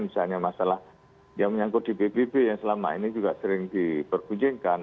misalnya masalah yang menyangkut di pbb yang selama ini juga sering diperguncingkan